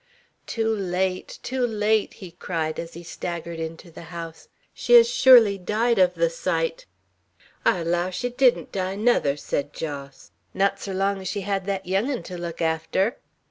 "Too late! Too late!" he cried, as he staggered into the house. "She has surely died of the sight." "I allow she didn't die, nuther," said Jos; "not ser long ez she hed thet young un to look arter!"